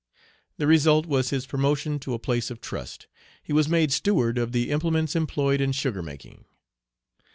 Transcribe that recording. The result was his promotion to a place of trust. He was made steward of the implements employed in sugar making.